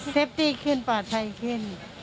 ตี้ขึ้นปลอดภัยขึ้น